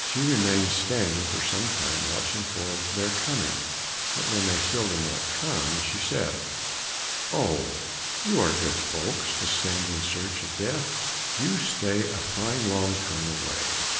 She remained standing for some time watching for their coming, but when they still did not come, she said, "Oh, you are good folks to send in search of death, you stay a fine long time away!